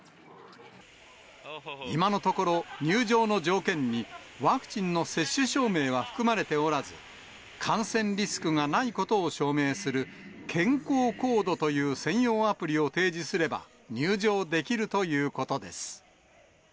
今のところ、入場の条件にワクチンの接種証明は含まれておらず、感染リスクがないことを証明する、健康コードという専用アプリを提示すれば、入場できるということです。